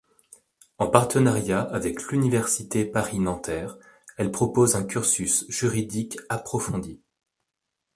En partenariat avec l'Université Paris Nanterre, elle propose un cursus juridique approfondi.